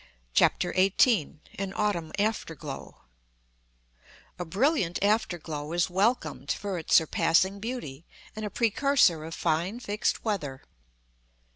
CHAPTER XVIII AN AUTUMN AFTERGLOW A brilliant afterglow is welcomed for its surpassing beauty and a precursor of fine fixed weather.